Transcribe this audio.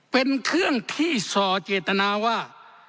เป็นเครื่องที่ส่อเจตนาว่า